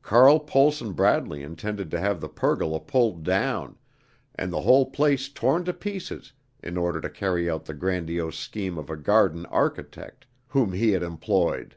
Carl Pohlson Bradley intended to have the pergola pulled down, and the whole place torn to pieces in order to carry out the grandiose scheme of a "garden architect" whom he had employed.